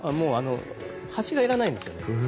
柱がいらないんですよね。